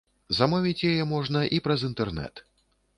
Замовіць яе можна і праз інтэрнэт.